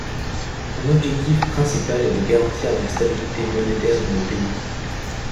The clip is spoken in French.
Son objectif principal est de garantir la stabilité monétaire dans le pays.